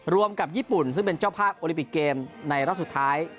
กับญี่ปุ่นซึ่งเป็นเจ้าภาพโอลิปิกเกมในรอบสุดท้าย